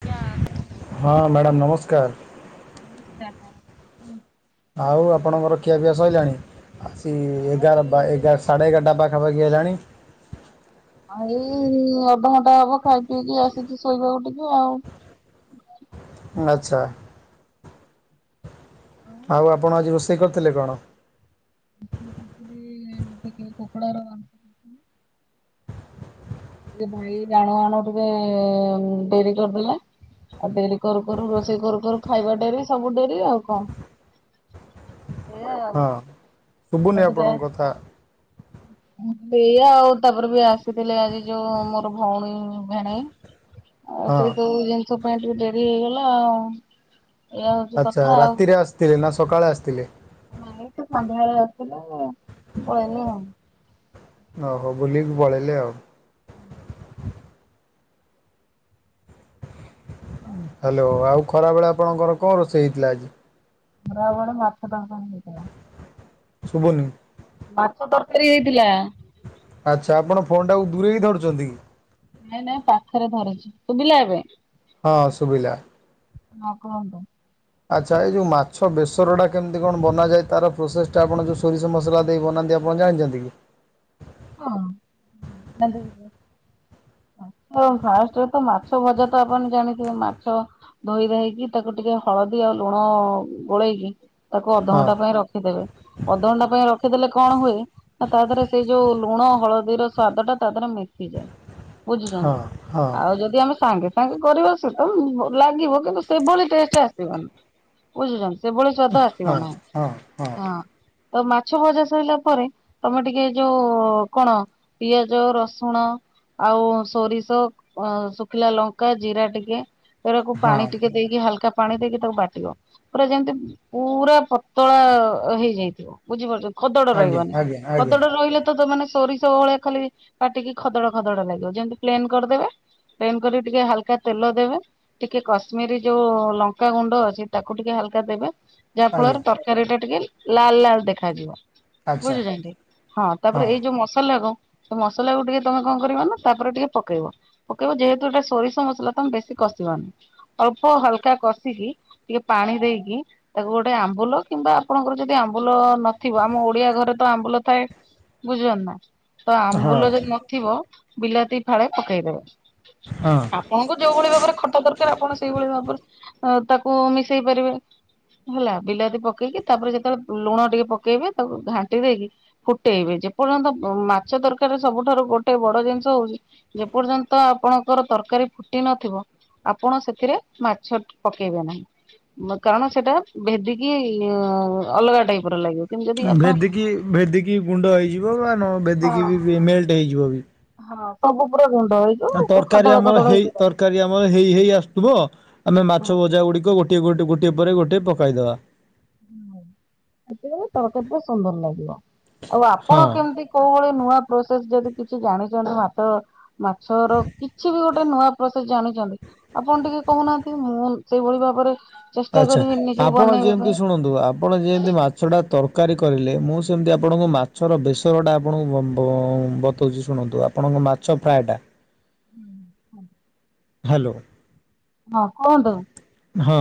ୟା ହଁ ମ୍ୟାଡ଼ାମ ନମସ୍କାର। [unintelligible] ଆଉ ଆପଣଙ୍କର ଖିଆପିଆ ସରିଲାଣି। ଆସି ହଁ ଏଗାର ଏଇ ପା ଏବେ ତ ଏଗାର ସାଢେ ଏଗାରଟା ପା ଟା ପାଖି ହେଲାଣି। ଆ ଏଇ ଅଧଘଣ୍ଟା ହବ ଖାଇ ପିଇକି ଆସିଚି ଶୋଇବାକୁ ଟିକି ଆଉ। ଆଚ୍ଛା। ଆଉ ଆପଣ ଆଜି ରୋଷେଇ କରିଥିଲେ କଣ? ମୁ କରିଥିଲି ଟିକେ କୁକୁଡ଼ାରୁ ଅ ଟିକେ ଭାଇ ଆଣୁ ଆଣୁ ଟିକେ ଡେରି କରିଦେଲେ। ଆଉ ଡେରି କରୁ କରୁ ରୋଷେଇ କରୁ କରୁ ଖାଇବା ଡେରି ସବୁ ଡେରି ଆଉ କଣ। ଏଇଆ ଆଉ ହଁ ଶୁଭୁନି ଆପଣଙ୍କ କଥା। ସେୟା ଆଉ ତାପରେ ବି ଆସିଥିଲେ ଆଜି ଯୋଉ ମୋର ଭଉଣୀ ଭେଣୀଇ ଆ ହଁ। ସେଇ ସୁ ଯେମ ସେଥିପାଇଁ ପାଇଁ ଟିକେ ଡେରି ହେଇଗଲା ଆଉ। ଏଇଆ ହଉଛି ଆଚ୍ଛା କଥା ଆଉ। ରାତିରେ ଆସିଥିଲେ ନା ସକାଳେ ଆସିଥିଲେ? ନାଇଁ ସେ ସନ୍ଧ୍ୟାବେଳେ ଆସିଥିଲେ ପଳେଇଲେ ଆଉ। ଓହୋ ବୁଲିକି ପଳେଇଲେ ଆଉ। ହୁଁ। ହଁ। ହାଲୋ ଆଉ ଖରାବେଳେ ଆପଣଙ୍କର କଣ ରୋଷେଇ ହେଇଥିଲା ଆଜି? ଖରାବେଳେ ମାଛ ତରକାରି ହେଇଥିଲା। ଶୁବୁନି। ମାଛ ତରକାରୀ ହେଇଥିଲା। ଆଚ୍ଛା ଆପଣ ଫୋନେଟାକୁ ଦୂରେଇକି ଧରୁଚନ୍ତି କି? ନାଇଁ ନାଇଁ ପାଖରେ ଧରିଚି ଶୁବିଲା ଏବେ। ହଁ ସୁୁବିଲା। ଆଉ କୁହନ୍ତୁ। ଆଚ୍ଛା ଏଇ ଯୋଉ ମାଛ ବେସରଟା କେମିତି କଣ ବନାଯାଏ ତାର ପ୍ରୋସେସ ଟା ଆପଣ ଯଉ ସରିଷ ମସଲା ଦେଇ ବନାନ୍ତି ଆ। ପଣ ଜାଣିଛନ୍ତି କି? ହଁ। ଫାଷ୍ଟରେ ତ ମାଛ ଭଜା ତ ଆପଣ ଜାଣିଥିବେ ମାଛ ଧୋଇ ଧାଇକି ତାକୁ ଟିକେ ହଳଦୀ ଆଉ ଲୁଣ ଗୋଳେଇକି ତାକୁ ହଁ। ଅଧଘଣ୍ଟା ପାଇଁ ରଖିଦେବେ ଅଧଘଣ୍ଟା ପାଇଁ ରଖିଦେଲେ କଣ ହୁଏ ନା ତା ଦେରରେ ସେଇ ଯୋଉ ଲୁଣ ହଳଦୀର ସ୍ଵାଦ ଟା ତା ଦେହରେ ମିଶିଯାଏ। ବୁଝୁଛନ୍ତି ହଁ ହଁ ଆଉ ଯଦି ଆମେ ସାଙ୍ଗେ ସାଙ୍ଗେ କରିବ ସେ ତ ଲାଗିବ କିନ୍ତୁ ସେଭଳି ଟେଷ୍ଟ ଆସିବନି। ବୁଝୁଚନ୍ତି ସେଭଳି ସ୍ୱାଦ ଆସିବ ହଁ ନାହି ହଁ ହଁ। ଏ ମାଛ ଭଜା ସରିଲା ପରେ ତମେ ଟିକେ ଯୋଉ କଣ ପିଆଜ ରସୁଣ ଆଉ ସୋରିଷ ଅ ଶୁଖିଲା ଲଙ୍କା ଜିରା ଟିକେ ଏଡାକୁ ହଁ ପାଣି ଟିକେ ଟିକେ ହଲକା ପାଣି ଦେଇକି ତାକୁ ବାଟିବ। ପୁରା ଯେମତି ପୁରା ପତଳା ହେଇଯାଇଥିବ ବୁଝିପାରୁଚ ଖଦଡ଼ା ଆଜ୍ଞା ରହିବନି। ଆଜ୍ଞା ଆଜ୍ଞା। ଖଡ ରହିଲେ ତ ତେ ସୋରିସ ଭଳିଆ ଖାଲି ପାଟିକି ଖଦଡ ଖଦଡା ଲାଗିବ ଯେମତି ପ୍ଲେନ୍ କରିଦେବେ। ପ୍ଲେନ କରି ଟିକେ ହାଲକା ତେଲ ଦେବେ। ଟିକେ କଶ୍ମୀରୀ ଯୋଉ ଲଙ୍କାାଗୁଣ୍ଡ ଅଛି ତାକୁ ଟିକେ ହାଲକା ଦେବେ। ଯାହା ଆଜ୍ଞା ଫଳରେ ତରକାରୀ ଟା ଟିକେ ଲାଲ ଲାଲ ଦେଖାଯିବ ଆଚ୍ଛା ବୁଝୁଛନ୍ତି। ହଁ ତାପରେ ଏଇ ଯୋଉ ମସଲା କ ସେ ମସଲା କୁ ଟିକେ ତମେ କଣ କର ନା ତାପରେ ଟିକେ ପକେଇବ। ପକେଇବ ଯେହେତୁ ଏଟା ସୋରିଷ ମସଲା ତମେ ବେଶୀ କଷିବାନି ଅଳ୍ପ ହାଲକା କଷିକି ଟିକେ ପାଣି ଦେଇକି ତାକୁ ଗୋଟେ ଆମ୍ବୁଲ କିମ୍ବା ଆପଣଙ୍କର ଯଦି ଆମ୍ବୁଲ ନଥିବ ଆମ ଓଡିଆ ଘରେ ତ ଆମ୍ବୁଲ ଥାଏ ବୁଝିବ ନା ତ ହଁ ଆମ୍ବୁଲ ଯଦି ନ ଥିବ ବିଲାତି ଫାଳେ ପକେଇଦବ ହଁ। ଆପଣଙ୍କୁ ଯୋଉ ଭଳି ଭାବରେ ଖଟା ଦରକାର ଆପଣ ସେଇଭଳି ଭାବରେ ତାକୁ ମିଶେଇ ପାରିବେ। ହେଲା ବିଲାତି ପକେଇକି ତାପରେ ଯେତେବେଳେ ଲୁଣ ଟିକେ ପକେଇବେ ତାକୁ ଘାଣ୍ଟି ଦେଇକି ଫୁଟେଇବେ ଯେପର୍ଯ୍ୟନ୍ତ ମାଛ ଦରକାର ସବୁଠାରୁ ଗୋଟେ ବଡ ଜିନିଷ ହଉଛି ଯେପର୍ଯ୍ୟନ୍ତ ଆପଣଙ୍କର ତରକାରୀ ଫୁଟି ନଥିବ ଆପଣ ସେଥିରେ ମାଛ ପକେଇବେ ନାହିଁ କାରଣ ସେଟା ଭେଦିକି ଅଲଗା ଟାଇପ ର ଲାଗିବ। କିନ୍ତୁ ଯଦି ଆପଣ ଭେଦିକି ଭେଦିକି ଗୁଣ୍ଡ ହେଇଯିବ ବା ନ ଭେଦିକି ହଁ। ବି ମେଲଟ୍ ହେଇଯିବ ବି। ହଁ ସବୁ ପୁରା ଗୁଣ୍ଡ ହେଇ ଆ ତରକାରୀ ଆମର ହେଇ ତର ତରକାରୀ ଆମର ହେଇ ହେଇ ଆସୁଥିବ ଆମେ ମାଛ ଭଜା ଗୁଡିକ ଗୋଟଏ ଗୋଟେ ଗୋଟିଏ ପରେ ଗୋଟଏ ପକେଇଦବା। ସେତେବେଳେ ତରକାରି କେତେ ସୁନ୍ଦର ଲାଗିବ ଆଉ ହଁ ଆପଣ କେମତି କୋଉ ଭଳି ନୂଆ ପ୍ରୋସେସ ଯଦି କିଛି ଜାଣିଛନ୍ତି ହାତ ମାଛର କିଛି ବି ଗୋଟେ ନୂଆ ପ୍ରୋସେସ୍ ଜାଣିଛନ୍ତି ଆପଣ ଟିକେ କହୁନାହାନ୍ତି ମୁଁ ସେଇଭଳି ଭାବରେ ଚେଷ୍ଟା ଆଚ୍ଛା କରିବି ନିଜକୁ ଆପଣ ବନେଇବା ଯେମିତି ପାଇଁ ଶୁଣନ୍ତୁ ଆପଣ ଯେମିତି ମାଛଟା ତରକାରୀ କରିଲେ ମୁଁ ସେମିତି ଆପଣଙ୍କୁ ମାଛର ବେସରଟା ଆପଣଙ୍କୁ ବ ଵ ବତେଇ ହେଉଛି ଶୁଣନ୍ତୁ ଆପଣଙ୍କ ମାଛ ଫ୍ରାଏଟା ହ୍ୟାଲୋ। ହଁ କୁହନ୍ତୁ। ହଁ।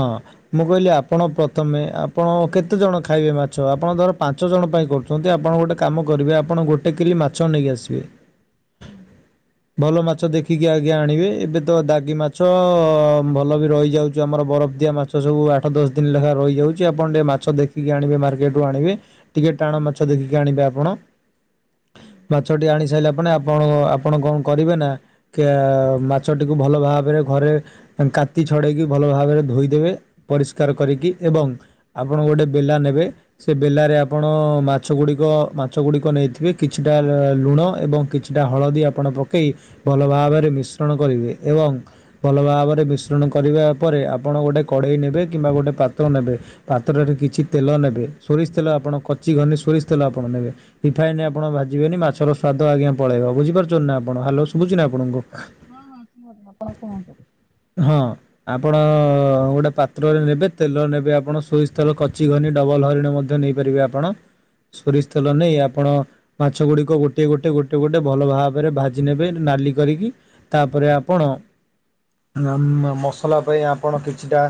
ମୁଁ କହିଲି ଆପଣ ପ୍ରଥମେ ଆପଣ କେତେ ଜଣ ଖାଇବେ ମାଛ ଆପଣ ଧର ପାଞ୍ଚ ଜଣ ପାଇଁ କରୁଛନ୍ତି। ଆଛନ୍ତି ଆପଣ ଗୋଟେ କାମ କରିବେ ଆପଣ ଗୋଟେ କିଲି ମାଛ ନେଇକି ଆସିବେ [inaudible] ଭଲ ମାଛ ଦେଖିକି ଆଜ୍ଞା ଆଣିବେ ଏବେ ତ ଦାଗି ମାଛ ଭଲ ବି ରହିଯାଉଛି ଆମର ବରଫ ଦିଆ ମାଛ ସବୁ ଆଠ ଦଶ ଦିନ ତିନି ଲେଖା ରହିଯାଉଛି ଆପଣ ଟିକେ ମାଛ ଦେଖିକି ଆଣିବେ ମାର୍କେଟ ରୁ ଆଣିବେ ଟିକେ ଟାଣ ମାଛ ଦେଖିକି ଆଣିବେ ଆପଣ ମାଛଟି ଆଣି ସାରିଲା ପରେ ଆପଣ ଆପଣ କଣ କରିବେ ନା କି ମାଛଟିକୁ ଭଲ ଭାବରେ ଘରେ କାତି ଛଡେଇକି ଭଲ ଭାବରେ ଧୋଇଦେବେ ପରିଷ୍କାର କରିକି ଏବଂ ଆପଣ ଗୋଟେ ବେଲା ନେବେ ସେ ବେଲାରେ ଆପଣ ମାଛ ଗୁଡ଼ିକ ମାଛ ଗୁଡ଼ିକ ନେଇଥିବେ କିଛିଟା ଲୁଣ ଏବଂ କିଛି ସେଇଟା ହଳଦୀ ଆପଣ ପକାଇ ଭଲ ଭାବରେ ମିଶ୍ରଣ କରିବେ ଏବଂ ଭଲ ଭାବରେ ମିଶ୍ରଣ କରିବା ପରେ ଆପଣ ଗୋଟେ କଡ଼େଇ ନେବେ କିମ୍ବା ଗୋଟେ ପାତ୍ର ନେବେ ପାତରେ କିଛି ତେଲ ନେବେ ସୋରିଷ ତେଲ ଆପଣ କଚି ଘନୀ ସୋରିଷ ତେଲ ଆପଣ ନେବେ ରିଫାଇନ ରେ ଆପଣ ଭାଜି ବେନି ମାଛର ସ୍ୱାଦ ଆଜ୍ଞା ପଳେଇବ ବୁଝିପାରୁଛନ୍ତି ନା ଆପଣ ହଲ ଶୁଭୁଚି ଆପଣଙ୍କୁ ହଁ ହଁ କୁହ ଆପଣ କୁହନ୍ତୁ। ହଁ। ଆପଣ ଗୋଟେ ପାତ୍ରରେ ନେବେ ତେଲ ନେବେ ଆପଣ ସୋରିସ୍ ତେଲ କଚି ଘନୀ ଡବଲ ହରିଣ ମଧ୍ୟ ନେଇ ପାରିବେ ଆପଣ ସୋରିସ୍ ତଲ ନେଇ ଆପଣ ମାଛ ଗୁଡ଼ିକ ଗୋଟଏ ଗୋଟେ ଗୋଟଏ ଗୋଟେ ଭଲ ଭାବରେ ଭାଜି ନେବେ ନାଲି କରିକି ତାପରେ ଆପଣ ମସଲା ପାଇଁ ଆପଣ କିଛିଟା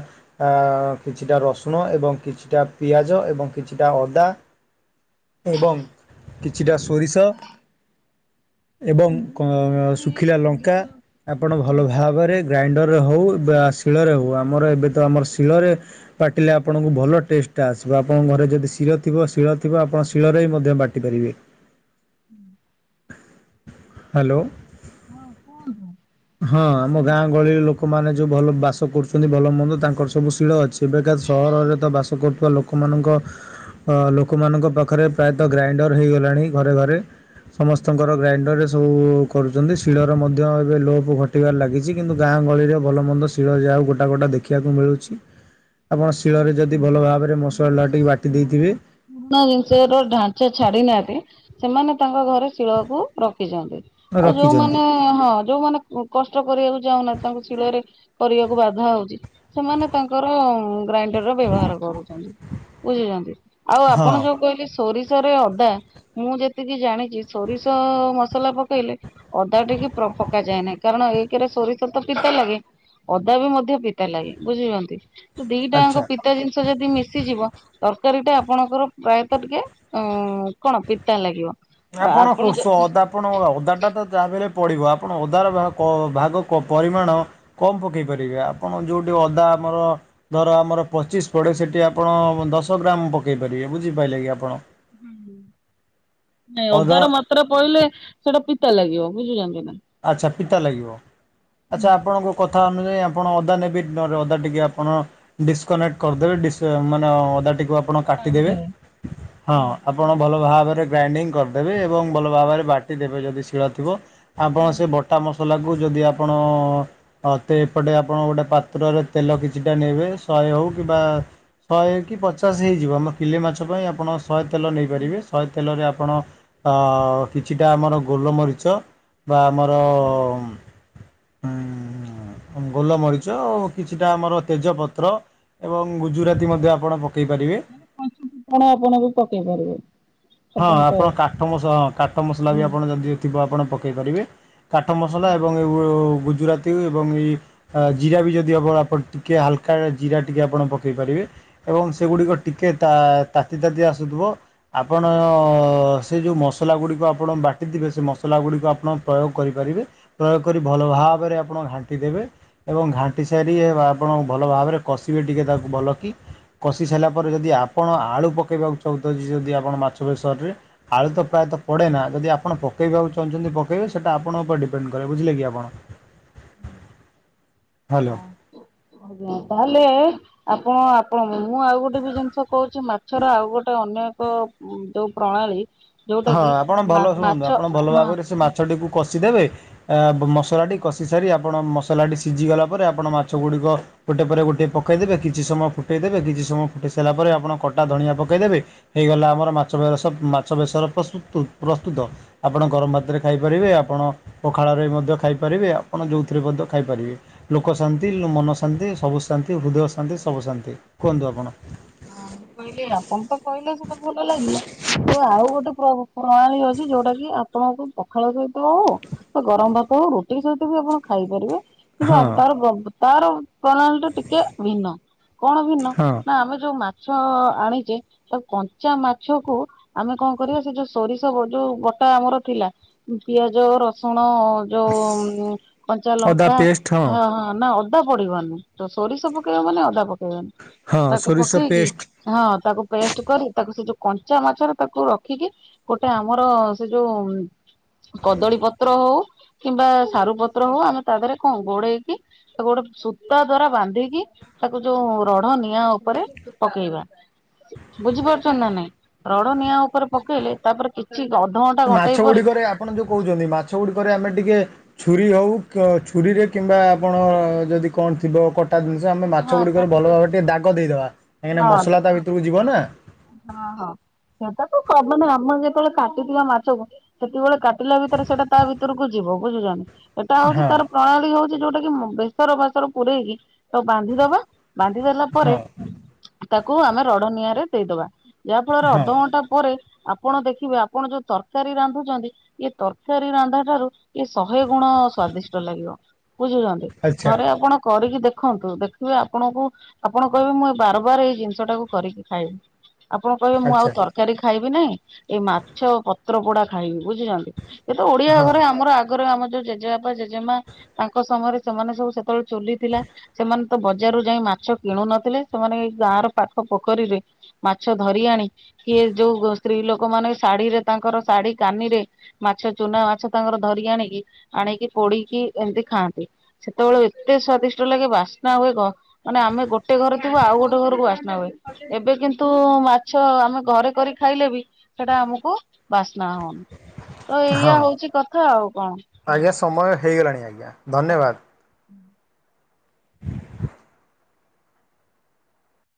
ଆ କିଛିଟା ରସୁଣ ଏବଂ କିଛିଟା ପିଆଜ ଏବଂ କିଛିଟା ଅଦା ଏବଂ କିଛିଟା ସୋରିଷ ଏବଂ ମୁଁ କ ଶୁଣିଥିଲି ଶୁଖିଲା ଲଙ୍କା ସୋରିଷ ଆପଣ ଭଲ ଭାବରେ ଗ୍ରାଇଣ୍ଡରରେ ହେଉ ବା ଶିଳରେ ହେଉ ଆମର ଏବେ ତ ଆମର ଶିଳରେ ବାଟିଲେ ଆପଣଙ୍କୁ ଭଲ ଟେଷ୍ଟଟା ଆସିବ ଆପଣଙ୍କ ଘରେ ଯଦି ଶିଳ ଥିବ ଶୀଳ ଥିବ ଆପଣ ଶିଳରେ ହି ମଧ୍ୟ ବାଟିବେ ଦି ପାରିବେ ହାଲୋ। ହଁ କୁହନ୍ତୁ। ହଁ ଆମ ଗାଁ ଗହଳିରେ ଲୋକ ଲୋକମାନେ ଯେଉଁ ଭଲ ବାସ କରୁଚନ୍ତି ଭଲ ମନ୍ଦ ତାଙ୍କର ସବୁ ଶିଳ ଅଛି ଏବେକା ସହରରେ ତ ବାସ କରୁଥିବା ଲୋକ ଲୋକମାନଙ୍କ ଅ ଲୋକମାନଙ୍କ ପାଖରେ ପ୍ରାୟତଃ ଗ୍ରାଇଣ୍ଡର ହେଇଗଲାଣି ଘରେ ଘରେ ସମସ୍ତଙ୍କର ଗ୍ରାଇଣ୍ଡର ରେ ସବୁ କରୁଚନ୍ତି ଶିଳର ମଧ୍ୟ ଏବେ ଲୋପ ସବୁ ଘଟିବାରେ ଲାଗିଚି କିନ୍ତୁ ଗାଁ ଗହଳିରେ ଭଲ ମନ୍ଦ ଶିଳ ଯାହାଉ ଗୋଟା ଗୋଟା ଦେଖିବାକୁ ମିଳୁଚି। ଆପଣ ଶିଳରେ ଯଦି ଭଲ ଭାବରେ ମସଲା ଟିକେ ବାଟି ଦେଇଥିବେ ପୁରୁଣା ଜିନିଷ ର ଢାଞ୍ଚା ଛାଡି ନାହାନ୍ତି ସେମାନେ ତାଙ୍କ ଘରେ ଶିଳକୁ ରଖିଛନ୍ତି ଆଉ ରଖିଛନ୍ତି ଯୋଉମାନେ ହଁ ଯୋଉମାନେ କଷ୍ଟ କରିବାକୁ ଚାଁହୁନା ତାଙ୍କୁ ଶିଳରେ କରିବାକୁ ବାଧା ହଉଚି ସେମାନେ ତାଙ୍କର ଗ୍ରାଇଣ୍ଡର ର ବ୍ୟବହାର କରୁଚନ୍ତି ବୁଝୁଚନ୍ତି ଆଉ ହଁ ଆପଣ ଯୋଉ କହିଲେ ଶି ସୋରିଷରେ ଅଦା ମୁଁ ଯେତିକି ଜାଣିଚି ସୋରିଷ ମସଲା ପକେଇଲେ ଅଦା ଟିକେ ପ୍ର ପକା ଯାଏ ନାହିଁ କାରଣ ଏକରେ ସୋରିଷ ତ ପିତା ଲାଗେ ଅଦା ବି ମଧ୍ୟ ପିତା ଲାଗେ ବୁଝିଛନ୍ତି ତ ଦିଟା ଜାଙ୍କ ଆଚ୍ଛା। ପିତା ଜିନିଷ ଯଦି ମିଶିଯିବ ତରକାରୀ ଟା ଆପଣଙ୍କର ପ୍ରାୟତଃ ଟିକେ ଉଁ କଣ ପିତା ଲାଗିବ। ଆପଣ ଶୁ ଶୁ ଅଦା ଆପଣ ଅଦାଟା ତ ଯାହା ବି ହେଲେ ପଡ଼ିବ ଆପଣ ଅଦାର କ ଭାଗ କ ପରିମାଣ କମ ପକେଇ ପାରିବେ ଆପଣ ଯୋଉଠି ଅଦା ଆମର ଧର ଆମର ପଚିଶ ପଡ଼େ ସେଠି ଆପଣ ଦଶ ଗ୍ରାମ ପକାଇ ପାରିବେ ବୁଝିପାରିଲେ କି ଆପଣ। ହୁଁ ହୁଁ ନାଇଁ ଅଦା ଅଦାର ମାପ ମାତ୍ର ପଇଲେ ସେଇଟା ପିତା ଲାଗିବ ବୁଝୁଚନ୍ତି ନା। ଆଚ୍ଛା ପିତା ଲାଗିବ ଆଚ୍ଛା ଆପଣଙ୍କ କଥା କଥା ଅନୁଯାୟୀ ଆପଣ ଅଦା ନେବେ ନ ଅଦା ଟିକେ ଆପଣ ଡିସକନେକ୍ଟ କରିଦେବେ ଡିସ ମାନେ ଅଦାଟିକୁ ଆପଣ କାଟିଦେବେ ହଁ ଅଦ ଆପଣ ଭଲ ଭାବରେ ଗ୍ରାଇଣ୍ଡିଙ୍ଗ କରିଦେବେ ଏବଂ ଭଲ ଭାବରେ ବାଟି ଦେବେ ଯଦି ଶିଳ ଥିବ ଆପଣ ସେ ବଟା ମସଲାକୁ ଯଦି ଆପଣ ହ ତେ ଏପଟେ ଆପଣ ଗୋଟେ ପାତ୍ରରେ ତେଲ କିଛିଟା ନେବେ ଶହେ ହଉ କିମ୍ବା ଶହେ କି ପଚାଶ ହେଇଯିବ ଆମ କିଲେ ମାଛ ପାଇଁ ଆପଣ ଶହେ ତେଲ ନେଇପାରିବେ ଶହେ ତେଲରେ ଆପଣ ଅ କିଛିଟା ଆମର ଗୋଲମରିଚ ବା ଆମର ଉମ୍ ଗୋଲମରିଚ ଆଉ କିଛିଟା ଆମର ତେଜ ପତ୍ର ଏବଂ ଗୁଜୁରାତି ମଧ୍ୟ ଆପଣ ପକାଇ ପାରିବେ। ପଞ୍ଚୁ ଫୁଟଣ ଆପଣ ବି ପକେଇ ପାରିବେ। ହଁ ଆପଣ କାଠ ମସ ହଁ କାଠ ମସଲା ବି ଆପଣ ଯଦି ଥିବ ଆପଣ ପକେଇ ପାରିବେ। କାଠ ମସଲା ଏବଂ ଏ ଗୁଜୁରାତି ଏବଂ ଏଇ ଅ ଜିରା ବି ଯଦି ହେବ ଆପଣ ଟିକିଏ ହାଲକା ଜିରା ଟିକେ ଆପଣ ପକାଇ ପାରିବେ। ଏବଂ ସେଗୁଡ଼ିକ ଟିକେ ତା ତାତି ତାତି ଆସୁଥିବ ଆପଣ ସେ ଯୋଉ ମସଲା ଗୁଡ଼ିକ ଆପଣ ବାଟିଥିବେ ସେ ମସଲା ଗୁଡ଼ିକ ଆପଣ ପ୍ରୟୋଗ କରିପାରିବେ। ପ୍ରୟୋଗ କରି ଭଲ ଭାବରେ ଆପଣ ଘାଣ୍ଟି ଦେବେ। ଏବଂ ଘାଣ୍ଟି ସାରି ଆପଣ ଭଲ ଭାବରେ କଷିବେ ଟିକେ ତାକୁ ଭଲ କି କଷି ସାରିଲା ପରେ ଯଦି ଆପଣ ଆଳୁ ପକେଇବାକୁ ଚାହୁଁଚନ୍ତି ଯଦି ଆପଣ ମାଛ ବେଶରରେ ଆଳୁ ତ ପ୍ରାୟତଃ ପଡେ ନା ଯଦି ଆପଣ ପକେଇବାକୁ ଚାହୁଁଚନ୍ତି ପକେଇବେ ସେଇଟା ଆପଣଙ୍କ ଉପରେ ଡିପେଣ୍ଡ କରେ ବୁଝିଲେ କି ଆପଣ। ହ୍ୟାଲୋ। ହ ଆଜ୍ଞା ତାହେଲେ ଆପଣ ଆପଣ ମୁଁ ଆଉ ଗୋଟେ ବି ଜିନିଷ କହୁଚି ମାଛର ଆଉ ଗୋଟେ ଅନ୍ୟଏକ ହୁଁ ଯୋଉ ପ୍ରଣାଳୀ ଯୋଉଟା ହଁ କି ଆପଣ ମା ଭଲ ଶୁଣନ୍ତୁ ମାଛ ଆପଣ ଭଲ ମା ଭାବରେ ସେ ମାଛଟିକୁ କଷିଦେବେ ଆ ମସଲାଟି କଷି ସାରି ଆପଣ ମସଲାଟି ସିଝିଗଲା ପରେ ଆପଣ ମାଛ ଗୁଡ଼ିକ ଗୋଟେ ପରେ ଗୋଟିଏ ପକାଇଦେବେ କିଛି ସମୟ ଫୁଟେଇ ଦେବେ କିଛି ସମୟ ଫୁଟାଇ ସାରିଲା ପରେ ଆପଣ କଟା ଧନିଆ ପକାଇଦେବେ। ହେଇଗଲା ଆମର ମାଛ ବୟସ ମାଛ ବେସର ପ୍ରସୁତୁ ପ୍ରସ୍ତୁତ। ଆପଣ ଗରମ ଭାତରେ ଖାଇପାରିବେ ଆପଣ ପଖାଳରେ ମଧ୍ୟ ଖାଇପାରିବେ ଆପଣ ଯଉଥିରେ ମଧ୍ୟ ଖାଇପାରିବେ। ଲୋକ ଶାନ୍ତି ମନ ଶାନ୍ତି ସବୁ ଶାନ୍ତି ହୃଦୟ ଶାନ୍ତି ସବୁ ଶାନ୍ତି କୁହନ୍ତୁ ଆପଣ? ହଁ ମୁଁ କହିଲି ଆପଣ ତ କହିଲେ ସେଇଟା ଭଲ ଲାଗିଲା। ମୁଁ ଆଉ ଗୋଟେ ପ୍ର-ପ୍ରଣାଳୀ ଅଛି ଯୋଉଟା କି ଆପଣଙ୍କୁ ପଖାଳ ସୋଇଥିବ ହଉ। ତ ଗରମ ଭାତ ହଉ ରୁଟି ସହିତ ବି ଆପଣ ଖାଇପାରିବେ। କିନ୍ତୁ ଆ ହଁ ତାର ତାର ପ୍ରଣାଳୀ ଟା ଟିକେ ଭିନ୍ନ କଣ ଭିନ୍ନ ହଁ ନା ଆମେ ଯୋଉ ମାଛ ଆଣିଚେ। ତା କଞ୍ଚା ମାଛକୁ ଆମେ କଣ କରିବା ସେ ଯୋଉ ସୋରିଷ ଯୋଉ ବଟା ଆମର ଥିଲା। ପିଆଜ, ରସୁଣ ଅ ଯୋଉ କଞ୍ଚା ଅଦା ଲଙ୍କା ପେଷ୍ଟ ହଁ ନା ଅଦା ପଡିବନି। ତ ସୋରିଷ ପକେଇବା ମାନେ ଅଦା ପକେଇବନି ହଁ ତାକୁ ସୋରିଷ ପକେଇକି। ପେଷ୍ଟ ହଁ ତାକୁ ପେଷ୍ଟ କରି ତାକୁ ସେ ଯୋଉ କଞ୍ଚା ମାଛରେ ତାକୁ ରଖିକି। ଗୋଟେ ଆମର ସେ ଯୋଉ କଦଳୀ ପତ୍ର ହଉ କିମ୍ବା ସାରୁ ପତ୍ର ହଉ ଆମେ ତା ଦେହରେ କଣ ଗୋଡେଇକି ତାକୁ ଗୋଟେ ସୂତା ଦ୍ଵାରା ବାନ୍ଧିକି ତାକୁ ଯୋଉ ରଢ ନିଆଁ ଉପରେ ପକେଇବା ବୁଝିପାରୁଛନ୍ତି ନା ନାଇଁ ରଡ ନିଆଁ ଉପରେ ପକେଇଲେ ତାପରେ କିଛି ଠିକ୍ ଅଧ ମାଛ ଗୁଡିକରେ ଆପଣ ଯୋଉ କହୁଛନ୍ତି, ମାଛ ଗୁଡିକରେ ଆମେ ଟିକେ ଛୁରୀ ହଉ କ ଛୁରୀରେ କିମ୍ବା ଆପଣ ଯଦି କଣ ଥିବ କ ତା ଜିନିଷ ଆମେ ମାଛ ହଁ ଗୁଡିକରେ ଭଲ କାଟିକି ଭାବରେ ଟିକେ ଦାଗ ଦେଇଦବା। କାହିଁକିନା ହଁ ମସଲା ତା ଭିତକୁ ଯିବ ନା। ହଁ ହଁ ସେଟା ତ କମନ ଆମର ଯେତେବେଳେ କାଟିଥିବା ମାଛକୁ ସେତେବେଳେ କାଟିଲା ଭିତରେ ସେଇଟା ତା ଭିତରକୁ ଯିବ ବୁଝୀଲ। ଏଇଟା ହଉଛି ହଁ ତାର ପ୍ରଣାଳୀ ହଉଛି ଯୋଉଟା କି ମ ବେସର ଭେସର ପୂରେଇକି ତ ବାନ୍ଧିଦବା, ବାନ୍ଧି ଦେଲା ପରେ ହଁ ତାକୁ ଆମେ ରଡ ନିଆଁରେ ଦେଇଦବା। ଯାହା ଫଳରେ ହଁ ଅଧଘଣ୍ଟା ପରେ ଆପଣ ଦେଖିବେ ଆପଣ ଯୋଉ ତରକାରୀ ରାନ୍ଧୁଛନ୍ତି। ଏ ତରକାରୀ ରନ୍ଧା ଠାରୁ ଏ ଶହେ ଗୁଣ ସ୍ଵାଦିଷ୍ଟ ଲାଗିବ। ବୁଝୁଛନ୍ତି ଆଚ୍ଛା ଥରେ ଆପଣ କରିକି ଦେ ଦେଖନ୍ତୁ ଦେଖିବେ ଆପଣଙ୍କୁ ଆପଣ କହିବେ, ମୁଁ ଏ ବାର ବାର ଏଇ ଜିନିଷ ଟାକୁ କରିକି ଖାଇବି। ଆପଣ କହିବେ ମୁଁ ଆଉ ଆଚ୍ଛା ତରକାରୀ ଖାଇବି ନାଇଁ ଏଇ ମାଛ ପତ୍ର ପୋଡା ଖାଇବି ବୁଝିଲନା। ଏ ତ ଓଡିଆ ହଁ ଘରେ ଆମର ଆଗ ତାଙ୍କର ଆମ ଯୋଉ ଜେଜେବାପା ଜେଜେମା ତାଙ୍କ ସମୟରେ ସେମାନେ ସବୁ ସେତେବେଳେ ଚୁଲିଥିଲା। ସେମାନେ ତ ବଜାରରୁ ଯାଇ ମାଛ କିଣୁ ନଥିଲେ, ସେମାନେ ଏଇ ଗାଁ ର ପାଖ ପୋଖରୀରେ ମାଛ ଧରି ଆଣି, କିଏ ଯୋଉ ସ୍ତ୍ରୀ ଲୋକ ମାନେ ଶାଢୀରେ ତାଙ୍କର ଶାଢୀ କାନିରେ ମାଛ ଚୁନା ମାଛ ତାଙ୍କର ଧରିକି ଆଣିକି ଆଣିକି ପୋଡିକି ଏମତି ଖାଆନ୍ତି। ସେତେବେଳ ଏତେ ସ୍ଵାଦିଷ୍ଟ ଲାଗେ ବା ବାସ୍ନା ହୁଏ, ଗ ମାନେ ଆମେ ଗୋଟେ ଘରେ ଥିବୁ ଆଉ ଗୋଟେ ଘରକୁ ବାସ୍ନା ହୁଏ। ଏବେ କିନ୍ତୁ ମାଛ ଆମେ ଘରେ କରି ଖାଇଲେ ବି ସେଟା ଆମକୁ ବାସ୍ନା ହଉନି। ତ ହଁ ଏଇଆ ହଉଛି କଥା ଆଉ କଣ ଆଜ୍ଞା ସମୟ ହେଇଗଲାଣି ଆଜ୍ଞା ଆଜ୍ଞା। ଧନ୍ୟବାଦ